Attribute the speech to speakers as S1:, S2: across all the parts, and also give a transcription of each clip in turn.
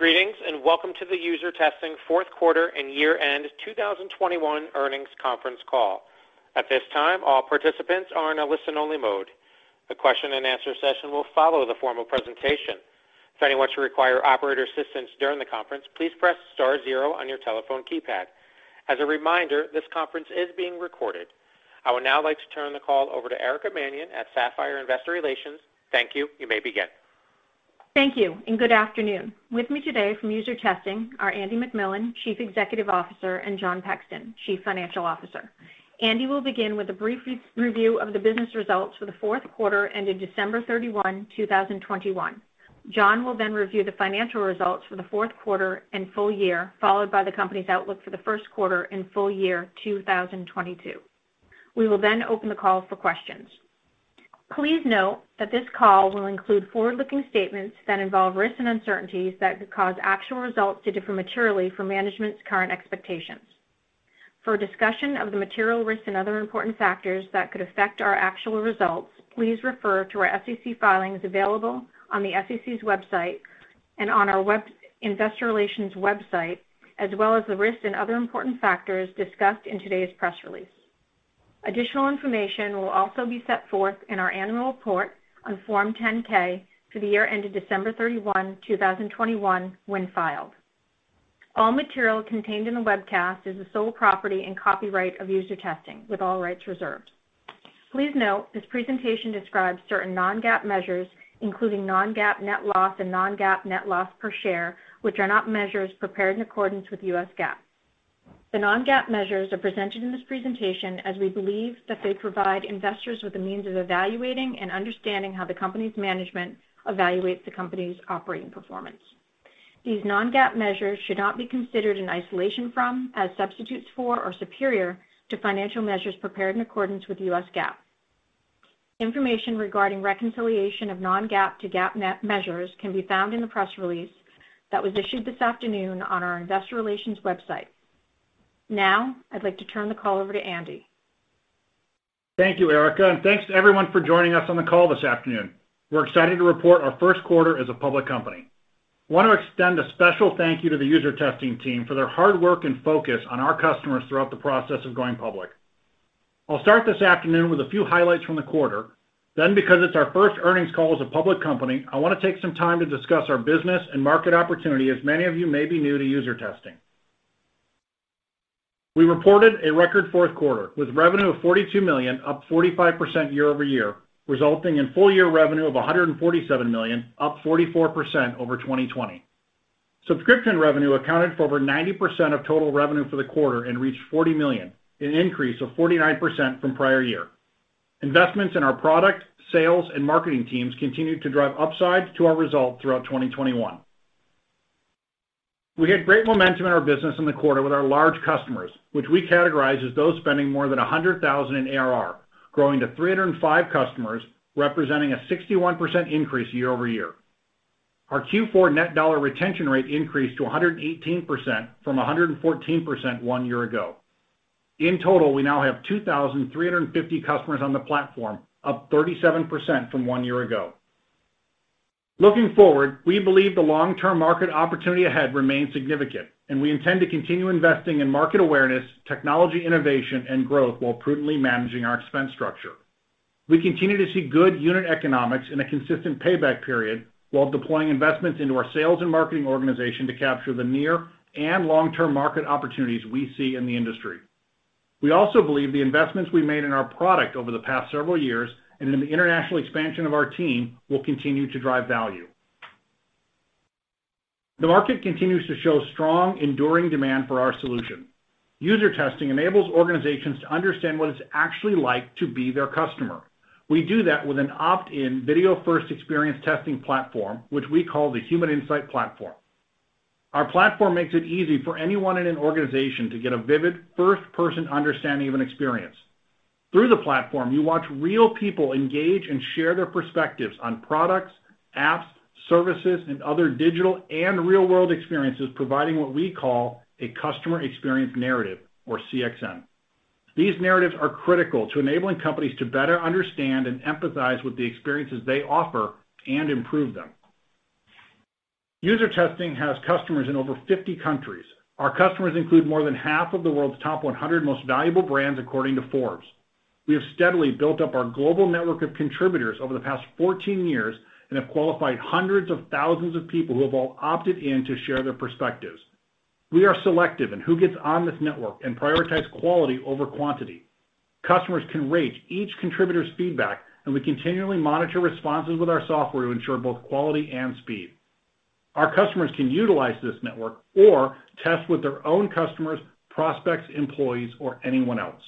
S1: Greetings, and welcome to the UserTesting fourth quarter and year-end 2021 earnings conference call. At this time, all participants are in a listen-only mode. The question and answer session will follow the formal presentation. If anyone should require operator assistance during the conference, please press star zero on your telephone keypad. As a reminder, this conference is being recorded. I would now like to turn the call over to Erica Mannion at Sapphire Investor Relations. Thank you. You may begin.
S2: Thank you, and good afternoon. With me today from UserTesting are Andy MacMillan, Chief Executive Officer, and Jon Pexton, Chief Financial Officer. Andy will begin with a brief re-review of the business results for the fourth quarter ended December 31, 2021. Jon will then review the financial results for the fourth quarter and full year, followed by the company's outlook for the first quarter and full year 2022. We will then open the call for questions. Please note that this call will include forward-looking statements that involve risks and uncertainties that could cause actual results to differ materially from management's current expectations. For a discussion of the material risks and other important factors that could affect our actual results, please refer to our SEC filings available on the SEC's website and on our website and investor relations website, as well as the risks and other important factors discussed in today's press release. Additional information will also be set forth in our annual report on Form 10-K for the year ended December 31, 2021 when filed. All material contained in the webcast is the sole property and copyright of UserTesting, with all rights reserved. Please note, this presentation describes certain non-GAAP measures, including non-GAAP net loss and non-GAAP net loss per share, which are not measures prepared in accordance with US GAAP. The non-GAAP measures are presented in this presentation as we believe that they provide investors with the means of evaluating and understanding how the company's management evaluates the company's operating performance. These non-GAAP measures should not be considered in isolation from, as substitutes for, or superior to financial measures prepared in accordance with U.S. GAAP. Information regarding reconciliation of non-GAAP to GAAP net measures can be found in the press release that was issued this afternoon on our investor relations website. Now, I'd like to turn the call over to Andy.
S3: Thank you, Erica, and thanks to everyone for joining us on the call this afternoon. We're excited to report our first quarter as a public company. I want to extend a special thank you to the UserTesting team for their hard work and focus on our customers throughout the process of going public. I'll start this afternoon with a few highlights from the quarter. Then, because it's our first earnings call as a public company, I wanna take some time to discuss our business and market opportunity, as many of you may be new to UserTesting. We reported a record fourth quarter, with revenue of $42 million, up 45% year-over-year, resulting in full year revenue of $147 million, up 44% over 2020. Subscription revenue accounted for over 90% of total revenue for the quarter and reached $40 million, an increase of 49% from prior year. Investments in our product, sales, and marketing teams continued to drive upsides to our result throughout 2021. We had great momentum in our business in the quarter with our large customers, which we categorize as those spending more than $100,000 in ARR, growing to 305 customers, representing a 61% increase year-over-year. Our Q4 net dollar retention rate increased to 118% from 114% one year ago. In total, we now have 2,350 customers on the platform, up 37% from one year ago. Looking forward, we believe the long-term market opportunity ahead remains significant, and we intend to continue investing in market awareness, technology innovation, and growth while prudently managing our expense structure. We continue to see good unit economics in a consistent payback period while deploying investments into our sales and marketing organization to capture the near and long-term market opportunities we see in the industry. We also believe the investments we made in our product over the past several years and in the international expansion of our team will continue to drive value. The market continues to show strong, enduring demand for our solution. UserTesting enables organizations to understand what it's actually like to be their customer. We do that with an opt-in video-first experience testing platform, which we call the Human Insight Platform. Our platform makes it easy for anyone in an organization to get a vivid first-person understanding of an experience. Through the platform, you watch real people engage and share their perspectives on products, apps, services, and other digital and real-world experiences, providing what we call a customer experience narrative, or CXN. These narratives are critical to enabling companies to better understand and empathize with the experiences they offer and improve them. UserTesting has customers in over 50 countries. Our customers include more than half of the world's top 100 most valuable brands according to Forbes. We have steadily built up our global network of contributors over the past 14 years and have qualified hundreds of thousands of people who have all opted in to share their perspectives. We are selective in who gets on this network and prioritize quality over quantity. Customers can rate each contributor's feedback, and we continually monitor responses with our software to ensure both quality and speed. Our customers can utilize this network or test with their own customers, prospects, employees, or anyone else.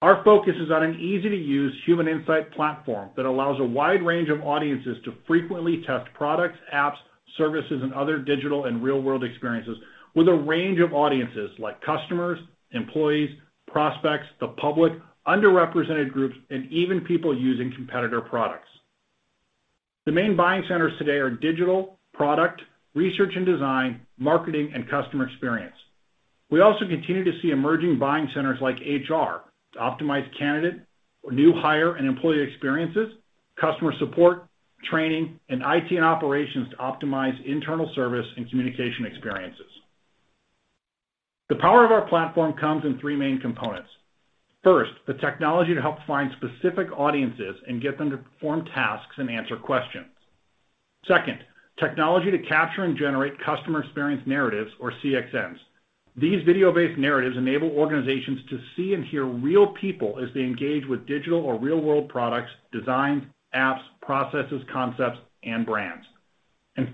S3: Our focus is on an easy-to-use Human Insight Platform that allows a wide range of audiences to frequently test products, apps, services, and other digital and real-world experiences with a range of audiences like customers, employees, prospects, the public, underrepresented groups, and even people using competitor products. The main buying centers today are digital, product, research and design, marketing, and customer experience. We also continue to see emerging buying centers like HR to optimize candidate or new hire and employee experiences, customer support, training, and IT and operations to optimize internal service and communication experiences. The power of our platform comes in three main components. First, the technology to help find specific audiences and get them to perform tasks and answer questions. Second, technology to capture and generate customer experience narratives or CXNs. These video-based narratives enable organizations to see and hear real people as they engage with digital or real-world products, designs, apps, processes, concepts, and brands.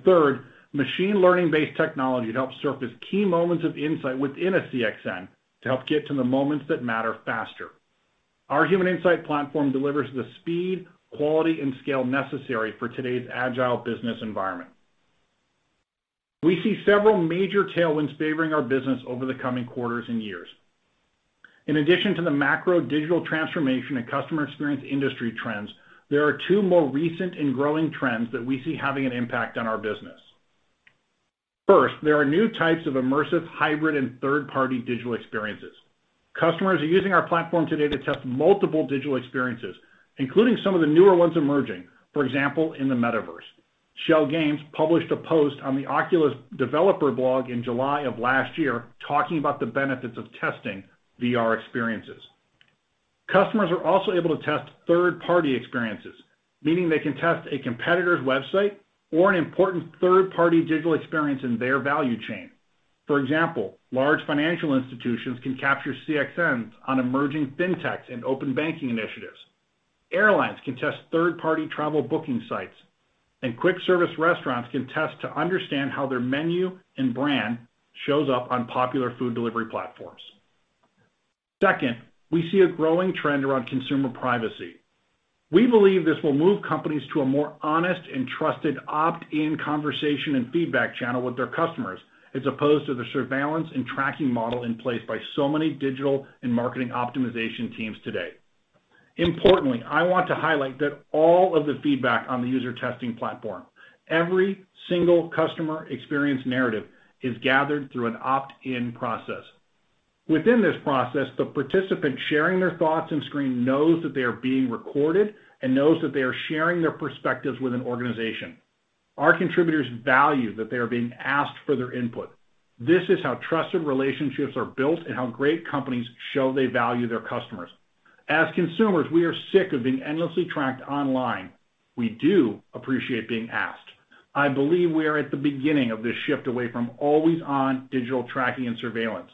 S3: Third, machine learning-based technology to help surface key moments of insight within a CXN to help get to the moments that matter faster. Our Human Insight Platform delivers the speed, quality, and scale necessary for today's agile business environment. We see several major tailwinds favoring our business over the coming quarters and years. In addition to the macro digital transformation and customer experience industry trends, there are two more recent and growing trends that we see having an impact on our business. First, there are new types of immersive, hybrid, and third-party digital experiences. Customers are using our platform today to test multiple digital experiences, including some of the newer ones emerging, for example, in the metaverse. Schell Games published a post on the Oculus developer blog in July of last year talking about the benefits of testing VR experiences. Customers are also able to test third-party experiences, meaning they can test a competitor's website or an important third-party digital experience in their value chain. For example, large financial institutions can capture CXNs on emerging fintechs and open banking initiatives. Airlines can test third-party travel booking sites, and quick service restaurants can test to understand how their menu and brand shows up on popular food delivery platforms. Second, we see a growing trend around consumer privacy. We believe this will move companies to a more honest and trusted opt-in conversation and feedback channel with their customers, as opposed to the surveillance and tracking model in place by so many digital and marketing optimization teams today. Importantly, I want to highlight that all of the feedback on the UserTesting platform, every single customer experience narrative is gathered through an opt-in process. Within this process, the participant sharing their thoughts and screen knows that they are being recorded and knows that they are sharing their perspectives with an organization. Our contributors value that they are being asked for their input. This is how trusted relationships are built and how great companies show they value their customers. As consumers, we are sick of being endlessly tracked online. We do appreciate being asked. I believe we are at the beginning of this shift away from always-on digital tracking and surveillance.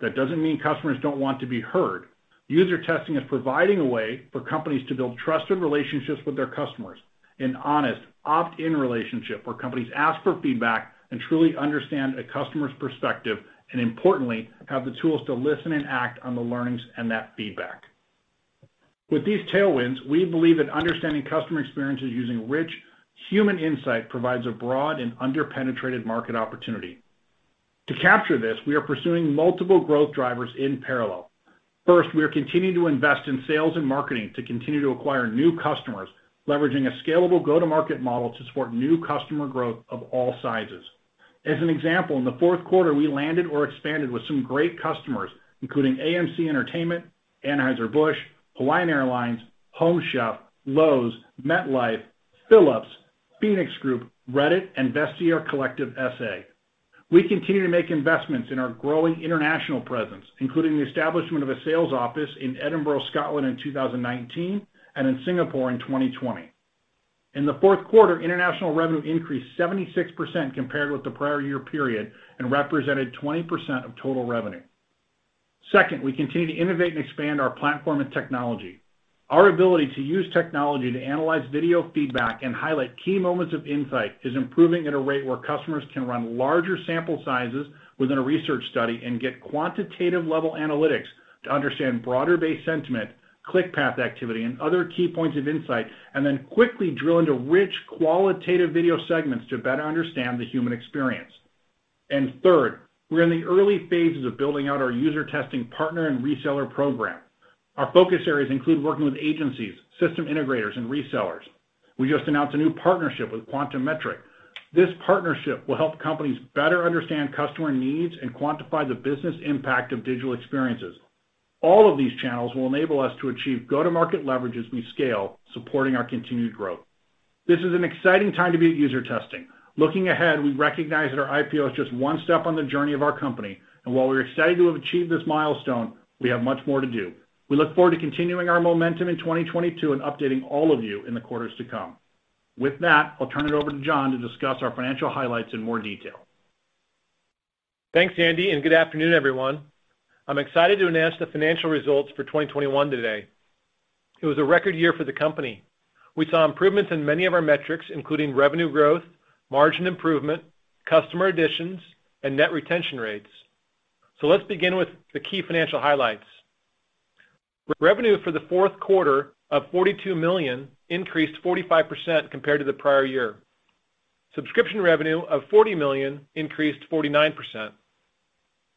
S3: That doesn't mean customers don't want to be heard. UserTesting is providing a way for companies to build trusted relationships with their customers, an honest opt-in relationship where companies ask for feedback and truly understand a customer's perspective, and importantly, have the tools to listen and act on the learnings and that feedback. With these tailwinds, we believe that understanding customer experiences using rich human insight provides a broad and under-penetrated market opportunity. To capture this, we are pursuing multiple growth drivers in parallel. First, we are continuing to invest in sales and marketing to continue to acquire new customers, leveraging a scalable go-to-market model to support new customer growth of all sizes. As an example, in the fourth quarter, we landed or expanded with some great customers, including AMC Entertainment, Anheuser-Busch, Hawaiian Airlines, Home Chef, Lowe's, MetLife, Philips, Phoenix Group, Reddit, and Vestiaire Collective SA. We continue to make investments in our growing international presence, including the establishment of a sales office in Edinburgh, Scotland in 2019, and in Singapore in 2020. In the fourth quarter, international revenue increased 76% compared with the prior year period and represented 20% of total revenue. Second, we continue to innovate and expand our platform and technology. Our ability to use technology to analyze video feedback and highlight key moments of insight is improving at a rate where customers can run larger sample sizes within a research study and get quantitative-level analytics to understand broader-based sentiment, click path activity, and other key points of insight, and then quickly drill into rich qualitative video segments to better understand the human experience. Third, we're in the early phases of building out our UserTesting partner and reseller program. Our focus areas include working with agencies, system integrators, and resellers. We just announced a new partnership with Quantum Metric. This partnership will help companies better understand customer needs and quantify the business impact of digital experiences. All of these channels will enable us to achieve go-to-market leverage as we scale, supporting our continued growth. This is an exciting time to be at UserTesting. Looking ahead, we recognize that our IPO is just one step on the journey of our company, and while we're excited to have achieved this milestone, we have much more to do. We look forward to continuing our momentum in 2022 and updating all of you in the quarters to come. With that, I'll turn it over to Jon Pexton to discuss our financial highlights in more detail.
S4: Thanks, Andy, and good afternoon, everyone. I'm excited to announce the financial results for 2021 today. It was a record year for the company. We saw improvements in many of our metrics, including revenue growth, margin improvement, customer additions, and net retention rates. Let's begin with the key financial highlights. Revenue for the fourth quarter of $42 million increased 45% compared to the prior year. Subscription revenue of $40 million increased 49%.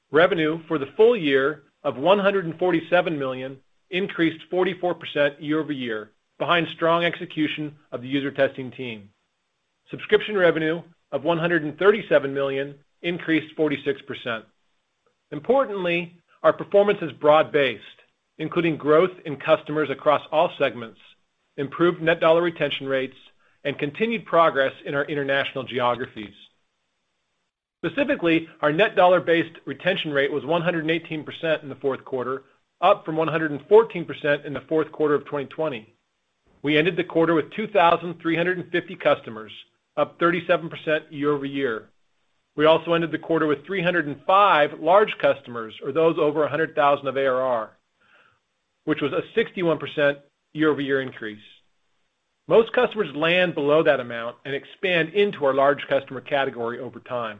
S4: Revenue for the full year of $147 million increased 44% year-over-year behind strong execution of the UserTesting team. Subscription revenue of $137 million increased 46%. Importantly, our performance is broad-based, including growth in customers across all segments, improved net dollar retention rates, and continued progress in our international geographies. Specifically, our net dollar retention rate was 118% in the fourth quarter, up from 114% in the fourth quarter of 2020. We ended the quarter with 2,350 customers, up 37% year-over-year. We also ended the quarter with 305 large customers or those over $100,000 of ARR, which was a 61% year-over-year increase. Most customers land below that amount and expand into our large customer category over time.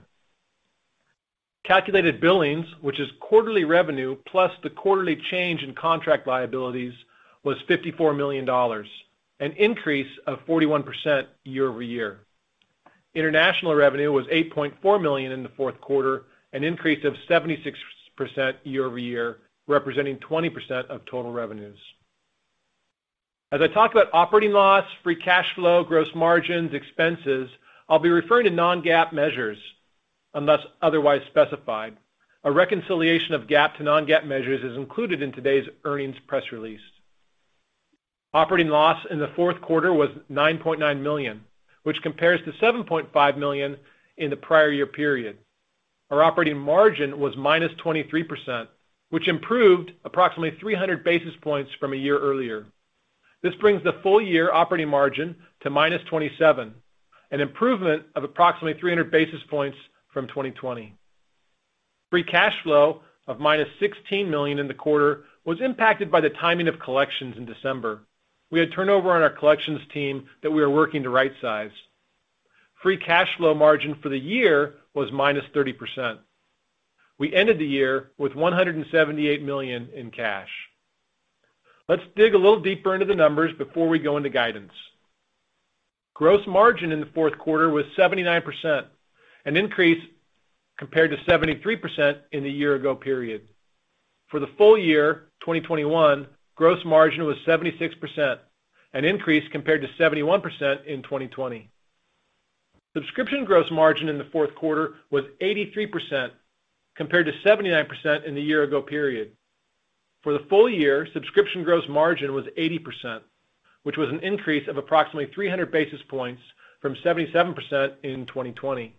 S4: Calculated billings, which is quarterly revenue plus the quarterly change in contract liabilities, was $54 million, an increase of 41% year-over-year. International revenue was $8.4 million in the fourth quarter, an increase of 76% year-over-year, representing 20% of total revenues. As I talk about operating loss, free cash flow, gross margins, expenses, I'll be referring to non-GAAP measures unless otherwise specified. A reconciliation of GAAP to non-GAAP measures is included in today's earnings press release. Operating loss in the fourth quarter was $9.9 million, which compares to $7.5 million in the prior year period. Our operating margin was -23%, which improved approximately 300 basis points from a year earlier. This brings the full-year operating margin to -27%, an improvement of approximately 300 basis points from 2020. Free cash flow of -$16 million in the quarter was impacted by the timing of collections in December. We had turnover on our collections team that we are working to right size. Free cash flow margin for the year was -30%. We ended the year with $178 million in cash. Let's dig a little deeper into the numbers before we go into guidance. Gross margin in the fourth quarter was 79%, an increase compared to 73% in the year ago period. For the full year, 2021, gross margin was 76%, an increase compared to 71% in 2020. Subscription gross margin in the fourth quarter was 83% compared to 79% in the year ago period. For the full year, subscription gross margin was 80%, which was an increase of approximately 300 basis points from 77% in 2020.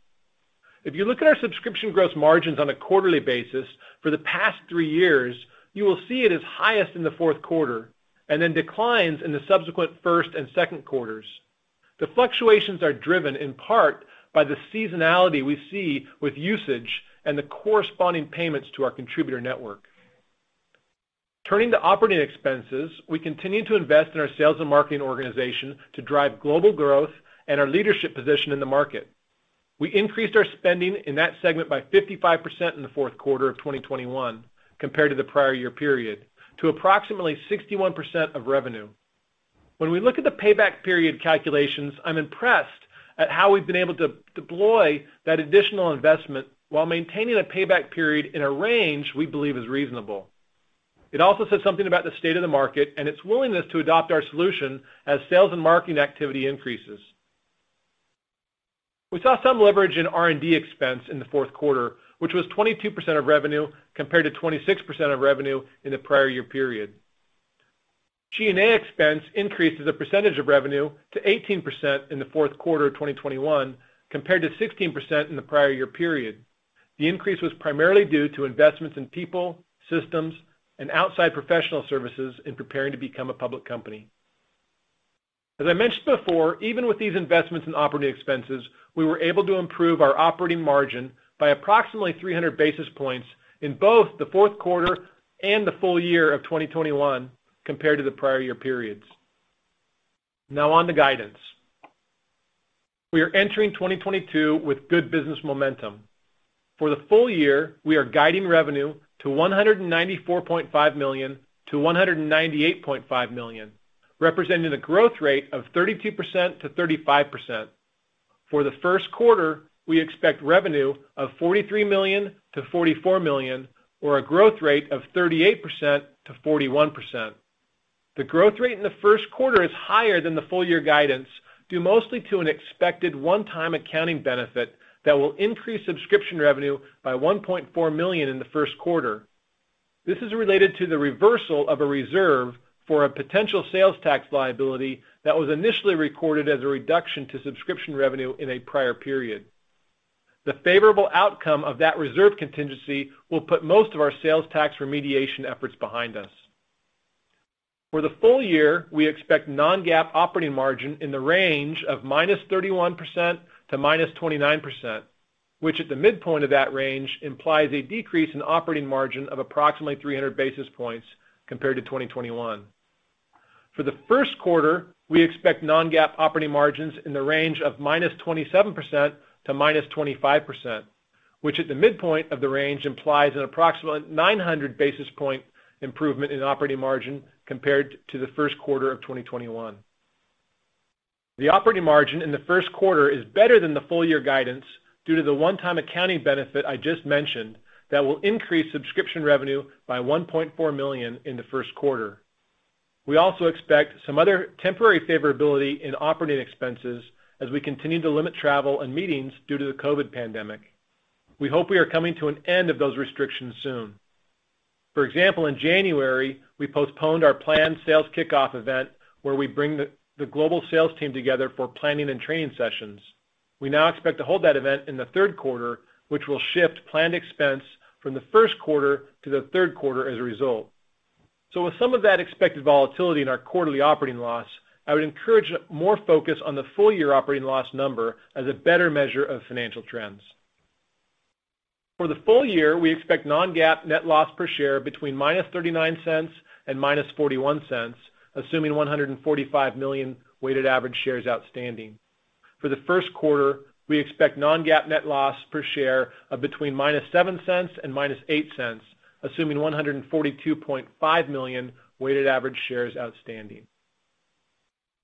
S4: If you look at our subscription gross margins on a quarterly basis for the past 3 years, you will see it is highest in the fourth quarter and then declines in the subsequent first and second quarters. The fluctuations are driven in part by the seasonality we see with usage and the corresponding payments to our contributor network. Turning to operating expenses, we continue to invest in our sales and marketing organization to drive global growth and our leadership position in the market. We increased our spending in that segment by 55% in the fourth quarter of 2021 compared to the prior year period to approximately 61% of revenue. When we look at the payback period calculations, I'm impressed at how we've been able to deploy that additional investment while maintaining a payback period in a range we believe is reasonable. It also says something about the state of the market and its willingness to adopt our solution as sales and marketing activity increases. We saw some leverage in R&D expense in the fourth quarter, which was 22% of revenue compared to 26% of revenue in the prior year period. G&A expense increased as a percentage of revenue to 18% in the fourth quarter of 2021 compared to 16% in the prior year period. The increase was primarily due to investments in people, systems, and outside professional services in preparing to become a public company. As I mentioned before, even with these investments in operating expenses, we were able to improve our operating margin by approximately 300 basis points in both the fourth quarter and the full year of 2021 compared to the prior year periods. Now on to guidance. We are entering 2022 with good business momentum. For the full year, we are guiding revenue to $194.5 million-$198.5 million, representing a growth rate of 32%-35%. For the first quarter, we expect revenue of $43 million-$44 million, or a growth rate of 38%-41%. The growth rate in the first quarter is higher than the full year guidance, due mostly to an expected one-time accounting benefit that will increase subscription revenue by $1.4 million in the first quarter. This is related to the reversal of a reserve for a potential sales tax liability that was initially recorded as a reduction to subscription revenue in a prior period. The favorable outcome of that reserve contingency will put most of our sales tax remediation efforts behind us. For the full year, we expect non-GAAP operating margin in the range of -31% to -29%, which at the midpoint of that range implies a decrease in operating margin of approximately 300 basis points compared to 2021. For the first quarter, we expect non-GAAP operating margins in the range of -27% to -25%, which at the midpoint of the range implies an approximate 900 basis point improvement in operating margin compared to the first quarter of 2021. The operating margin in the first quarter is better than the full year guidance due to the one-time accounting benefit I just mentioned that will increase subscription revenue by $1.4 million in the first quarter. We also expect some other temporary favorability in operating expenses as we continue to limit travel and meetings due to the COVID pandemic. We hope we are coming to an end of those restrictions soon. For example, in January, we postponed our planned sales kickoff event where we bring the global sales team together for planning and training sessions. We now expect to hold that event in the third quarter, which will shift planned expense from the first quarter to the third quarter as a result. With some of that expected volatility in our quarterly operating loss, I would encourage more focus on the full year operating loss number as a better measure of financial trends. For the full year, we expect non-GAAP net loss per share between -$0.39 and -$0.41, assuming 145 million weighted average shares outstanding. For the first quarter, we expect non-GAAP net loss per share of between -$0.07 and -$0.08, assuming 142.5 million weighted average shares outstanding.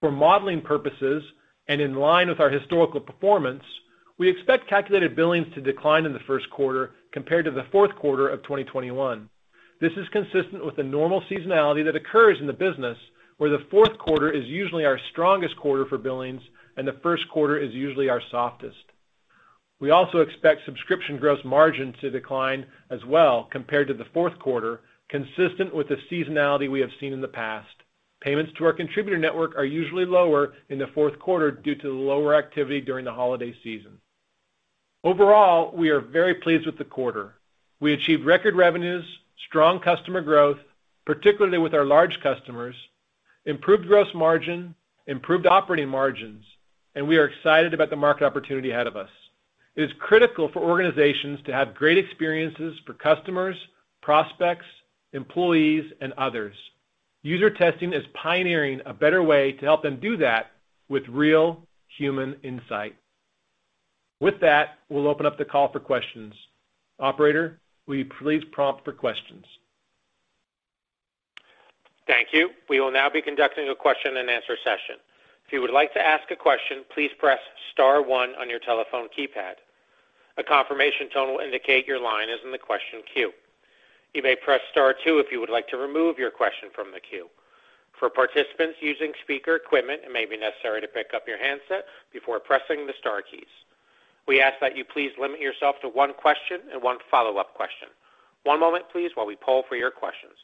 S4: For modeling purposes and in line with our historical performance, we expect calculated billings to decline in the first quarter compared to the fourth quarter of 2021. This is consistent with the normal seasonality that occurs in the business, where the fourth quarter is usually our strongest quarter for billings and the first quarter is usually our softest. We also expect subscription gross margin to decline as well compared to the fourth quarter, consistent with the seasonality we have seen in the past. Payments to our contributor network are usually lower in the fourth quarter due to the lower activity during the holiday season. Overall, we are very pleased with the quarter. We achieved record revenues, strong customer growth, particularly with our large customers, improved gross margin, improved operating margins, and we are excited about the market opportunity ahead of us. It is critical for organizations to have great experiences for customers, prospects, employees, and others. UserTesting is pioneering a better way to help them do that with real human insight. With that, we'll open up the call for questions. Operator, will you please prompt for questions?
S1: Thank you. We will now be conducting a question and answer session. If you would like to ask a question, please press star one on your telephone keypad. A confirmation tone will indicate your line is in the question queue. You may press star two if you would like to remove your question from the queue. For participants using speaker equipment, it may be necessary to pick up your handset before pressing the star keys. We ask that you please limit yourself to one question and one follow-up question. One moment, please, while we poll for your questions.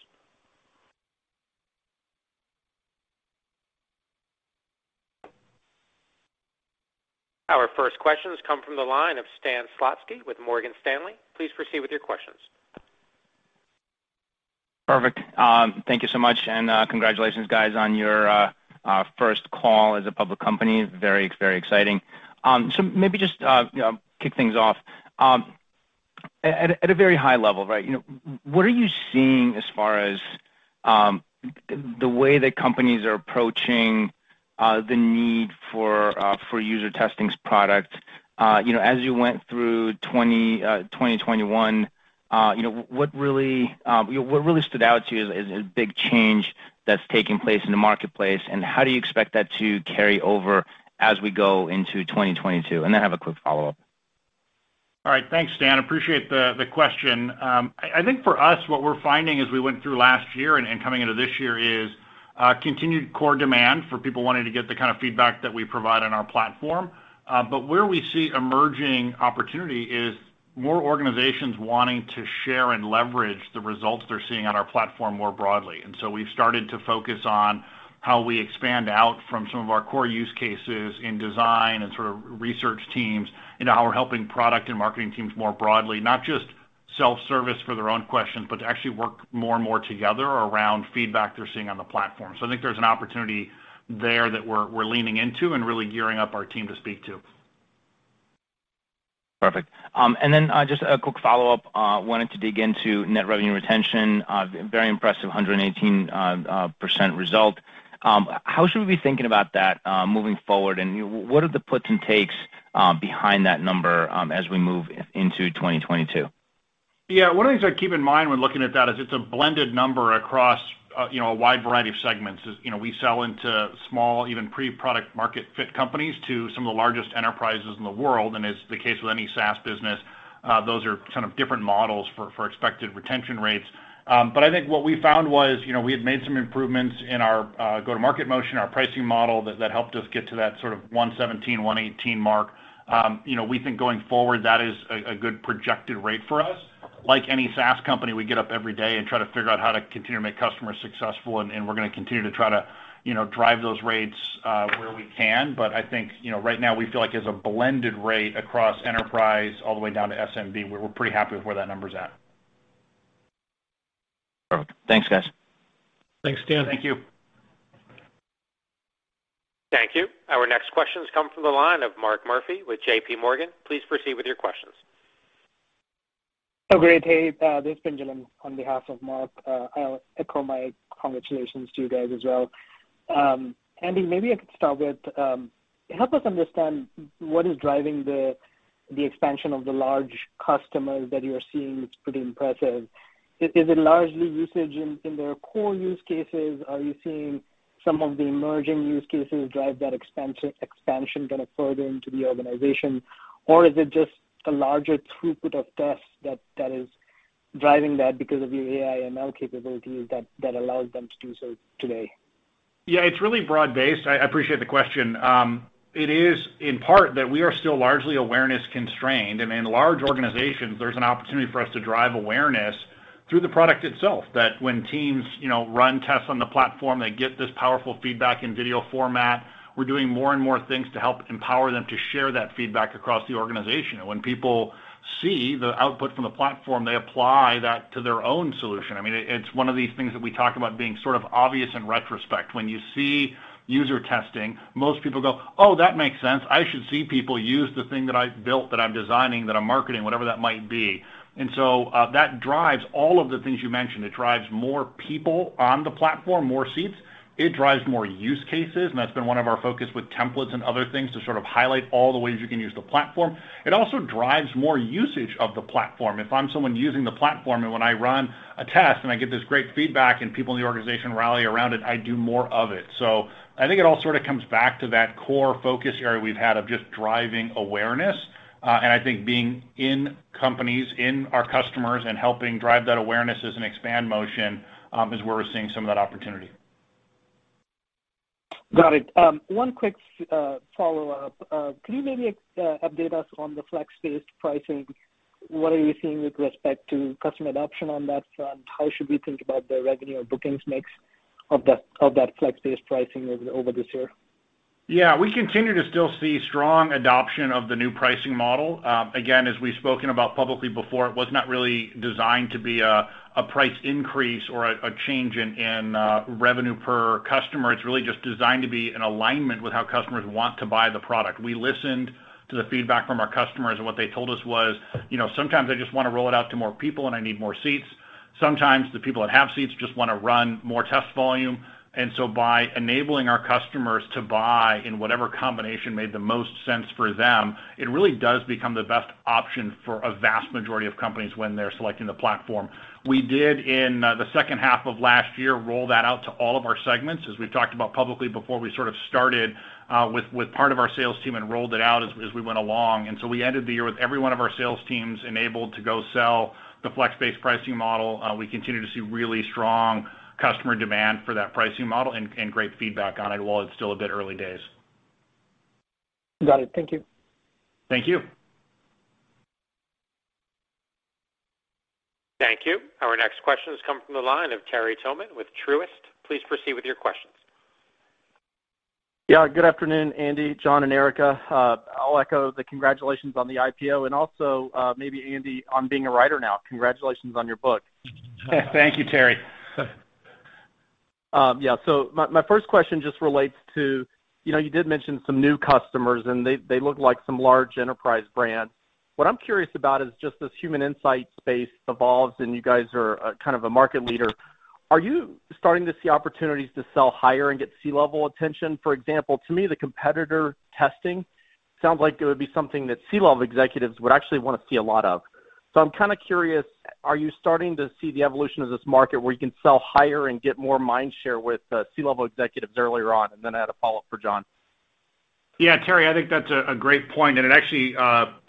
S1: Our first questions come from the line of Stan Zlotsky with Morgan Stanley. Please proceed with your questions.
S5: Perfect. Thank you so much, and congratulations, guys, on your first call as a public company. Very, very exciting. Maybe just, you know, kick things off. At a very high level, right, you know, what are you seeing as far as the way that companies are approaching the need for UserTesting's product? You know, as you went through 2021, you know, what really stood out to you as big change that's taking place in the marketplace, and how do you expect that to carry over as we go into 2022? Then I have a quick follow-up.
S4: All right. Thanks, Stan. Appreciate the question. I think for us, what we're finding as we went through last year and coming into this year is continued core demand for people wanting to get the kind of feedback that we provide on our platform. But where we see emerging opportunity is more organizations wanting to share and leverage the results they're seeing on our platform more broadly. We've started to focus on how we expand out from some of our core use cases in design and sort of research teams into how we're helping product and marketing teams more broadly, not just self-service for their own questions, but to actually work more and more together around feedback they're seeing on the platform. I think there's an opportunity there that we're leaning into and really gearing up our team to speak to.
S5: Perfect. Just a quick follow-up. Wanted to dig into net revenue retention. Very impressive 118% result. How should we be thinking about that moving forward? What are the puts and takes behind that number as we move into 2022?
S4: Yeah. One of the things I keep in mind when looking at that is it's a blended number across, you know, a wide variety of segments. As you know, we sell into small, even pre-product market fit companies to some of the largest enterprises in the world. As the case with any SaaS business, those are kind of different models for expected retention rates. I think what we found was, you know, we had made some improvements in our go-to-market motion, our pricing model that helped us get to that sort of 117%-118% mark. You know, we think going forward, that is a good projected rate for us. Like any SaaS company, we get up every day and try to figure out how to continue to make customers successful, and we're gonna continue to try to, you know, drive those rates where we can. But I think, you know, right now we feel like as a blended rate across enterprise all the way down to SMB, we're pretty happy with where that number's at.
S5: Perfect. Thanks, guys.
S4: Thanks, Stan.
S1: Thank you. Thank you. Our next questions come from the line of Mark Murphy with J.P. Morgan. Please proceed with your questions.
S6: Oh, great. Hey, this is Ben Jellin on behalf of Mark. I'll echo my congratulations to you guys as well. Andy, maybe I could start with, help us understand what is driving the expansion of the large customers that you're seeing, it's pretty impressive. Is it largely usage in their core use cases? Are you seeing- Some of the emerging use cases drive that expansion kind of further into the organization? Or is it just a larger throughput of tests that is driving that because of the AI ML capabilities that allows them to do so today?
S3: Yeah, it's really broad-based. I appreciate the question. It is in part that we are still largely awareness constrained. In large organizations, there's an opportunity for us to drive awareness through the product itself, that when teams, you know, run tests on the platform, they get this powerful feedback in video format. We're doing more and more things to help empower them to share that feedback across the organization. When people see the output from the platform, they apply that to their own solution. I mean, it's one of these things that we talk about being sort of obvious in retrospect. When you see UserTesting, most people go, "Oh, that makes sense. I should see people use the thing that I've built, that I'm designing, that I'm marketing," whatever that might be. That drives all of the things you mentioned. It drives more people on the platform, more seats. It drives more use cases, and that's been one of our focus with templates and other things to sort of highlight all the ways you can use the platform. It also drives more usage of the platform. If I'm someone using the platform, and when I run a test and I get this great feedback and people in the organization rally around it, I do more of it. I think it all sort of comes back to that core focus area we've had of just driving awareness. I think being in companies, in our customers, and helping drive that awareness as an expand motion, is where we're seeing some of that opportunity.
S6: Got it. One quick follow-up. Can you maybe update us on the flex-based pricing? What are you seeing with respect to customer adoption on that front? How should we think about the revenue or bookings mix of that flex-based pricing over this year?
S3: Yeah. We continue to still see strong adoption of the new pricing model. Again, as we've spoken about publicly before, it was not really designed to be a price increase or a change in revenue per customer. It's really just designed to be in alignment with how customers want to buy the product. We listened to the feedback from our customers, and what they told us was, you know, "Sometimes I just wanna roll it out to more people, and I need more seats. Sometimes the people that have seats just wanna run more test volume." By enabling our customers to buy in whatever combination made the most sense for them, it really does become the best option for a vast majority of companies when they're selecting the platform. We did, in, the second half of last year, roll that out to all of our segments. As we've talked about publicly before, we sort of started with part of our sales team and rolled it out as we went along. We ended the year with every one of our sales teams enabled to go sell the flex-based pricing model. We continue to see really strong customer demand for that pricing model and great feedback on it, while it's still a bit early days.
S6: Got it. Thank you.
S3: Thank you.
S1: Thank you. Our next question has come from the line of Terry Tillman with Truist. Please proceed with your questions.
S7: Yeah, good afternoon, Andy, Jon, and Erica. I'll echo the congratulations on the IPO and also, maybe Andy on being a writer now. Congratulations on your book.
S3: Thank you, Terry.
S7: Yeah. My first question just relates to. You know, you did mention some new customers, and they look like some large enterprise brands. What I'm curious about is just as human insight space evolves and you guys are kind of a market leader, are you starting to see opportunities to sell higher and get C-level attention? For example, to me, the competitor testing sounds like it would be something that C-level executives would actually wanna see a lot of. I'm kinda curious, are you starting to see the evolution of this market where you can sell higher and get more mind share with C-level executives earlier on? Then I had a follow-up for Jon.
S3: Yeah, Terry, I think that's a great point, and it actually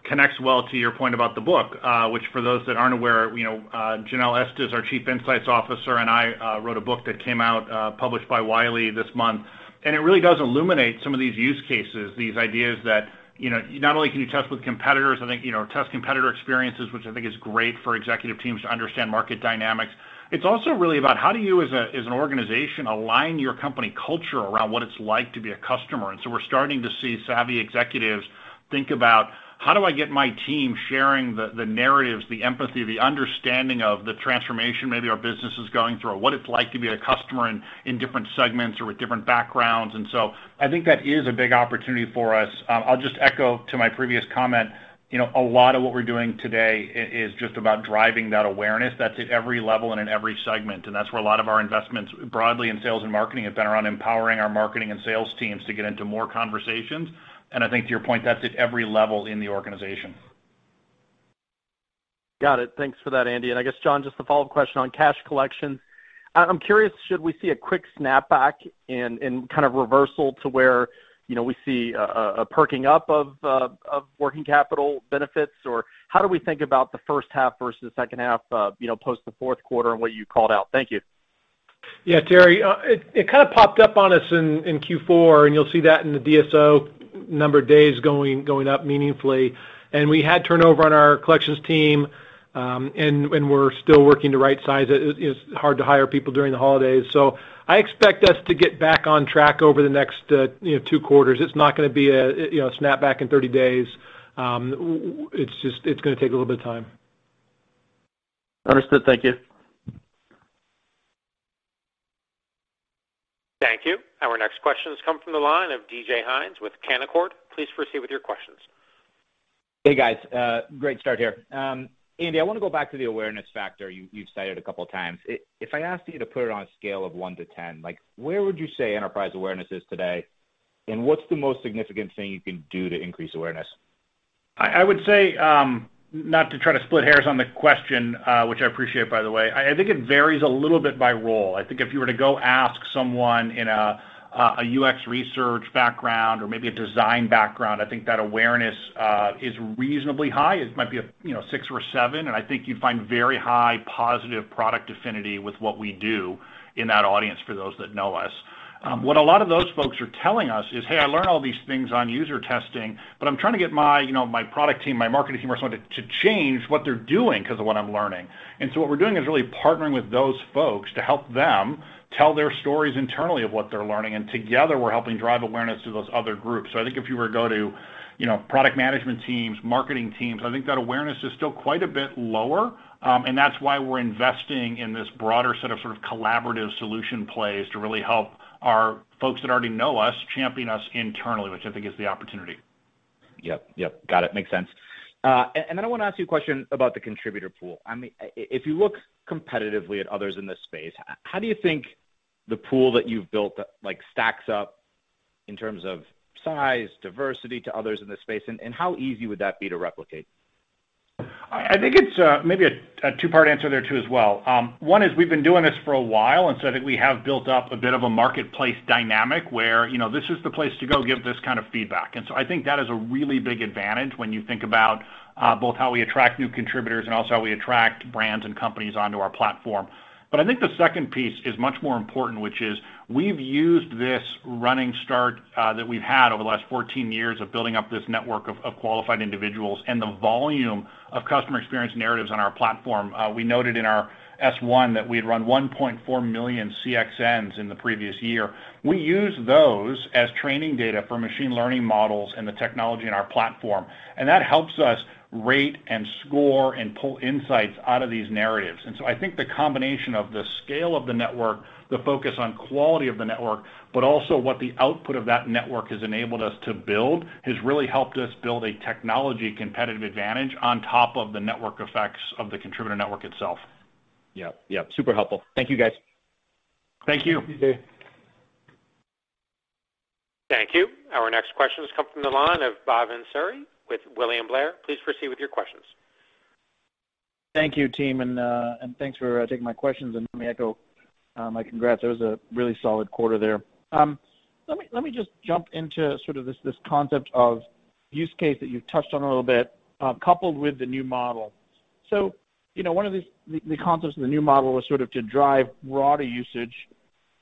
S3: connects well to your point about the book, which for those that aren't aware, you know, Janelle Estes, our Chief Insights Officer, and I wrote a book that came out, published by Wiley this month. It really does illuminate some of these use cases, these ideas that, you know, not only can you test with competitors, I think, you know, test competitor experiences, which I think is great for executive teams to understand market dynamics. It's also really about how do you as an organization align your company culture around what it's like to be a customer? We're starting to see savvy executives think about, "How do I get my team sharing the narratives, the empathy, the understanding of the transformation maybe our business is going through, or what it's like to be a customer in different segments or with different backgrounds?" I think that is a big opportunity for us. I'll just echo to my previous comment. You know, a lot of what we're doing today is just about driving that awareness that's at every level and in every segment. That's where a lot of our investments broadly in sales and marketing have been around empowering our marketing and sales teams to get into more conversations. I think to your point, that's at every level in the organization.
S7: Got it. Thanks for that, Andy. I guess, Jon, just a follow-up question on cash collection. I'm curious, should we see a quick snapback and kind of reversal to where, you know, we see a perking up of working capital benefits? Or how do we think about the first half versus second half, you know, post the fourth quarter and what you called out? Thank you.
S4: Yeah, Terry. It kinda popped up on us in Q4, and you'll see that in the DSO number of days going up meaningfully. We had turnover on our collections team, and we're still working to right size it. It's hard to hire people during the holidays. I expect us to get back on track over the next, you know, two quarters. It's not gonna be a, you know, snapback in 30 days. It's just gonna take a little bit of time.
S7: Understood. Thank you.
S1: Thank you. Our next question has come from the line of DJ Hynes with Canaccord. Please proceed with your questions.
S8: Hey, guys. Great start here. Andy, I wanna go back to the awareness factor you've cited a couple times. If I asked you to put it on a scale of one to ten, like, where would you say enterprise awareness is today? What's the most significant thing you can do to increase awareness?
S3: I would say not to try to split hairs on the question, which I appreciate, by the way. I think it varies a little bit by role. I think if you were to go ask someone in a UX research background or maybe a design background, I think that awareness is reasonably high. It might be a 6 or a 7, you know, and I think you'd find very high positive product affinity with what we do in that audience for those that know us. What a lot of those folks are telling us is, "Hey, I learn all these things on UserTesting, but I'm trying to get my, you know, my product team, my marketing team, or someone to change what they're doing 'cause of what I'm learning." What we're doing is really partnering with those folks to help them tell their stories internally of what they're learning, and together we're helping drive awareness to those other groups. I think if you were to go to, you know, product management teams, marketing teams, I think that awareness is still quite a bit lower, and that's why we're investing in this broader set of sort of collaborative solution plays to really help our folks that already know us champion us internally, which I think is the opportunity.
S8: Yep, yep. Got it. Makes sense. I wanna ask you a question about the contributor pool. I mean, if you look competitively at others in this space, how do you think the pool that you've built, like, stacks up in terms of size, diversity to others in this space, and how easy would that be to replicate?
S3: I think it's maybe a two-part answer there too as well. One is we've been doing this for a while, and so I think we have built up a bit of a marketplace dynamic where, you know, this is the place to go give this kind of feedback. I think that is a really big advantage when you think about both how we attract new contributors and also how we attract brands and companies onto our platform. I think the second piece is much more important, which is we've used this running start that we've had over the last 14 years of building up this network of qualified individuals and the volume of customer experience narratives on our platform. We noted in our S-1 that we had run 1.4 million CXNs in the previous year. We use those as training data for machine learning models and the technology in our platform, and that helps us rate and score and pull insights out of these narratives. I think the combination of the scale of the network, the focus on quality of the network, but also what the output of that network has enabled us to build, has really helped us build a technology competitive advantage on top of the network effects of the contributor network itself.
S8: Yep, yep. Super helpful. Thank you, guys.
S3: Thank you.
S1: Thank you. Our next question has come from the line of Bhavan Suri with William Blair. Please proceed with your questions.
S9: Thank you, team, and thanks for taking my questions, and let me echo my congrats. That was a really solid quarter there. Let me just jump into sort of this concept of use case that you've touched on a little bit, coupled with the new model. You know, one of the concepts of the new model was sort of to drive broader usage.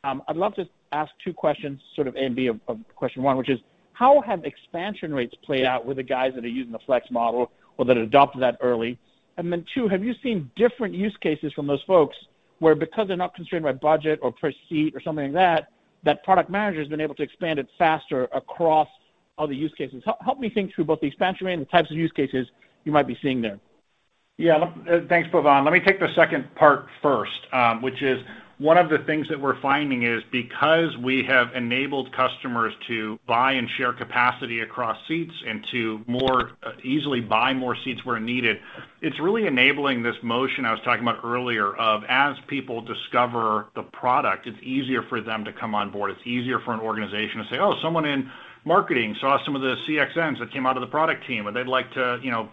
S9: I'd love to ask two questions, sort of A and B of question one, which is how have expansion rates played out with the guys that are using the flex model or that adopted that early? Two, have you seen different use cases from those folks where because they're not constrained by budget or per seat or something like that product manager has been able to expand it faster across other use cases? Help me think through both the expansion rate and the types of use cases you might be seeing there.
S3: Yeah. Thanks, Bhavan. Let me take the second part first, which is one of the things that we're finding is because we have enabled customers to buy and share capacity across seats and to more easily buy more seats where needed, it's really enabling this motion I was talking about earlier of as people discover the product, it's easier for them to come on board. It's easier for an organization to say, "Oh, someone in marketing saw some of the CXNs that came out of the product team, and they'd like to, you know,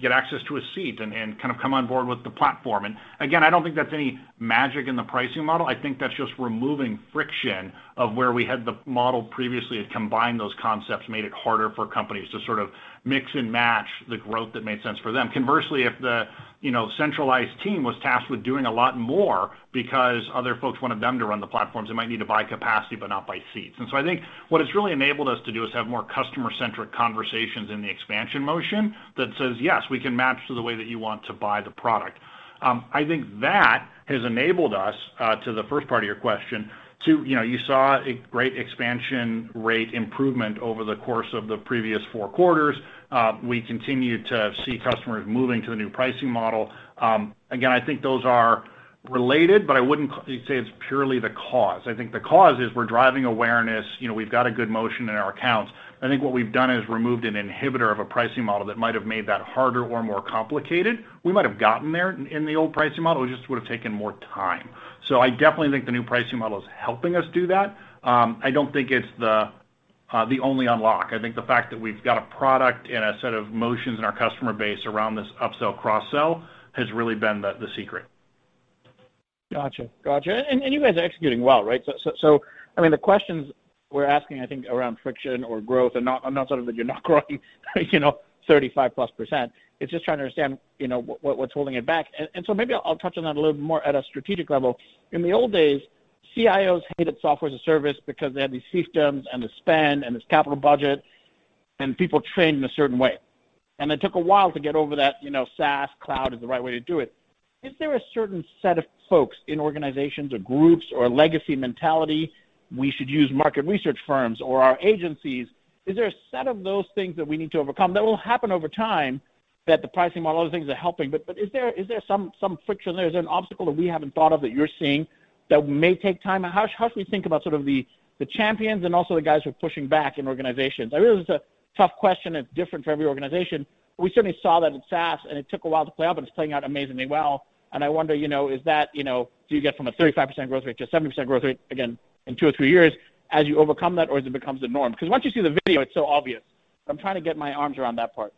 S3: get access to a seat and kind of come on board with the platform." Again, I don't think that's any magic in the pricing model. I think that's just removing friction of where we had the model previously. It combined those concepts, made it harder for companies to sort of mix and match the growth that made sense for them. Conversely, if the, you know, centralized team was tasked with doing a lot more because other folks wanted them to run the platforms, they might need to buy capacity, but not buy seats. I think what it's really enabled us to do is have more customer-centric conversations in the expansion motion that says, "Yes, we can match to the way that you want to buy the product." I think that has enabled us to the first part of your question, you know, you saw a great expansion rate improvement over the course of the previous four quarters. We continue to see customers moving to the new pricing model. Again, I think those are related, but I wouldn't say it's purely the cause. I think the cause is we're driving awareness. You know, we've got a good motion in our accounts. I think what we've done is removed an inhibitor of a pricing model that might have made that harder or more complicated. We might have gotten there in the old pricing model. It just would've taken more time. I definitely think the new pricing model is helping us do that. I don't think it's the only unlock. I think the fact that we've got a product and a set of motions in our customer base around this upsell, cross-sell has really been the secret.
S9: Gotcha. You guys are executing well, right? I mean, the questions we're asking, I think around friction or growth and not sort of that you're not growing, you know, 35%+. It's just trying to understand, you know, what's holding it back. Maybe I'll touch on that a little bit more at a strategic level. In the old days, CIOs hated software as a service because they had these systems and the spend and this capital budget, and people trained in a certain way. It took a while to get over that, you know, SaaS, cloud is the right way to do it. Is there a certain set of folks in organizations or groups or legacy mentality? We should use market research firms or our agencies? Is there a set of those things that we need to overcome that will happen over time, that the pricing model, all those things are helping, but is there some friction there? Is there an obstacle that we haven't thought of that you're seeing that may take time? How should we think about sort of the champions and also the guys who are pushing back in organizations? I realize this is a tough question that's different for every organization, but we certainly saw that in SaaS, and it took a while to play out, but it's playing out amazingly well. I wonder, you know, is that, you know, do you get from a 35% growth rate to a 70% growth rate again in two or three years as you overcome that, or as it becomes the norm? 'Cause once you see the video, it's so obvious. I'm trying to get my arms around that part.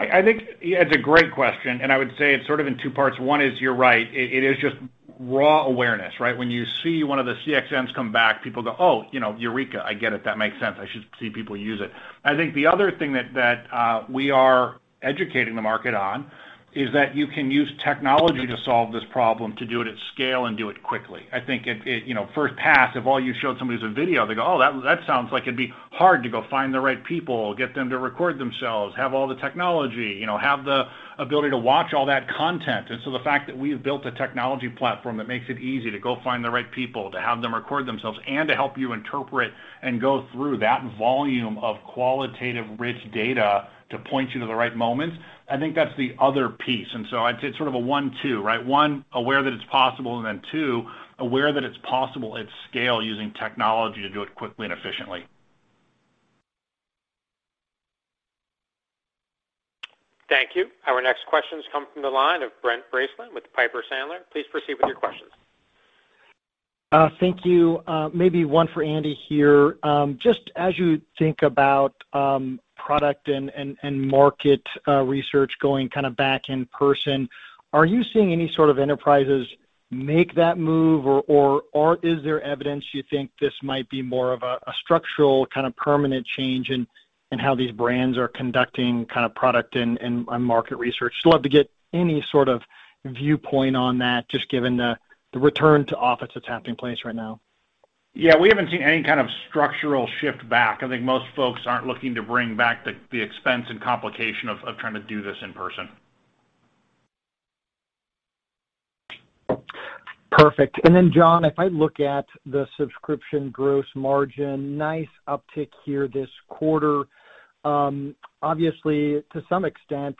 S3: I think, yeah, it's a great question. I would say it's sort of in two parts. One is, you're right, it is just raw awareness, right? When you see one of the CXMs come back, people go, "Oh, you know, eureka. I get it. That makes sense. I should see people use it." I think the other thing that we are educating the market on is that you can use technology to solve this problem to do it at scale and do it quickly. I think it. You know, first pass, if all you showed somebody is a video, they go, "Oh, that sounds like it'd be hard to go find the right people, get them to record themselves, have all the technology, you know, have the ability to watch all that content." The fact that we have built a technology platform that makes it easy to go find the right people, to have them record themselves, and to help you interpret and go through that volume of qualitative rich data to point you to the right moments, I think that's the other piece. I'd say it's sort of a one, two, right? One, aware that it's possible, and then two, aware that it's possible at scale using technology to do it quickly and efficiently.
S1: Thank you. Our next question's coming from the line of Brent Bracelin with Piper Sandler. Please proceed with your questions.
S10: Thank you. Maybe one for Andy here. Just as you think about product and market research going kind of back in person, are you seeing any sort of enterprises make that move or is there evidence you think this might be more of a structural kind of permanent change in how these brands are conducting kind of product and market research? Just love to get any sort of viewpoint on that just given the return to office that's happening apace right now.
S3: Yeah. We haven't seen any kind of structural shift back. I think most folks aren't looking to bring back the expense and complication of trying to do this in person.
S10: Perfect. Jon, if I look at the subscription gross margin, nice uptick here this quarter. Obviously, to some extent,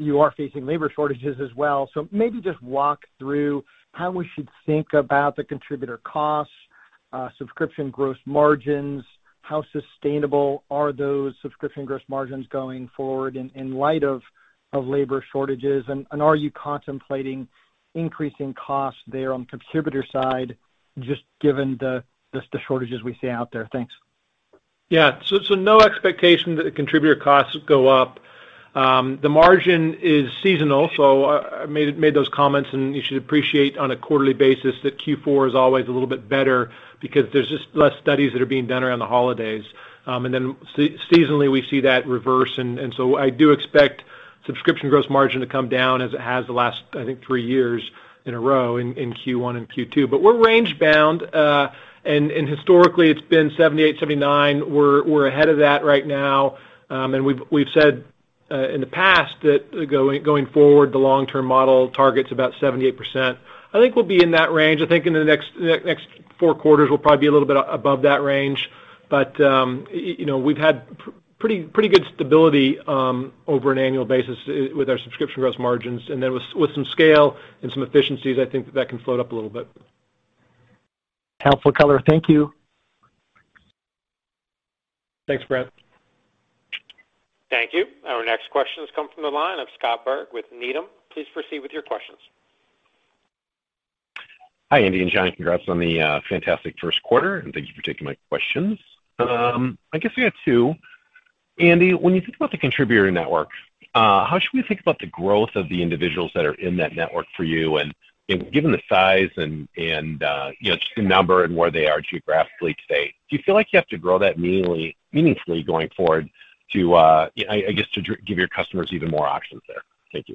S10: you are facing labor shortages as well. Maybe just walk through how we should think about the contributor costs, subscription gross margins, how sustainable are those subscription gross margins going forward in light of labor shortages, and are you contemplating increasing costs there on contributor side just given the shortages we see out there? Thanks.
S4: Yeah. No expectation that the contributor costs go up. The margin is seasonal, I made those comments, and you should appreciate on a quarterly basis that Q4 is always a little bit better because there's just less studies that are being done around the holidays. Seasonally, we see that reverse and so I do expect subscription gross margin to come down as it has the last, I think, 3 years in a row in Q1 and Q2. We're range bound. Historically, it's been 78%-79%. We're ahead of that right now. We've said in the past that going forward, the long-term model targets about 78%. I think we'll be in that range. I think in the next 4 quarters, we'll probably be a little bit above that range. You know, we've had pretty good stability over an annual basis with our subscription gross margins. Then with some scale and some efficiencies, I think that can float up a little bit.
S10: Helpful color. Thank you.
S3: Thanks, Brent.
S1: Thank you. Our next question has come from the line of Scott Berg with Needham. Please proceed with your questions.
S11: Hi, Andy and Jon. Congrats on the fantastic first quarter, and thank you for taking my questions. I guess I got two. Andy, when you think about the contributor network, how should we think about the growth of the individuals that are in that network for you? And given the size and, you know, just the number and where they are geographically today, do you feel like you have to grow that meaningfully going forward to, I guess, to give your customers even more options there? Thank you.